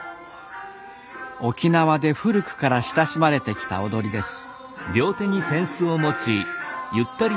沖縄で古くから親しまれてきた踊りです。